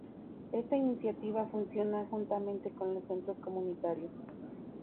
Esta iniciativa funciona juntamente con los centros comunitarios.